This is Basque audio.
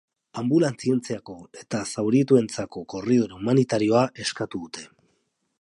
Anbulantzientzako eta zaurituentzako korridore humanitarioa eskatu dute.